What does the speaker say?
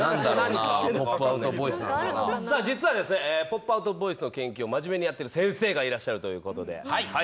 実はポップアウトボイスの研究をまじめにやっている先生がいらっしゃるということで。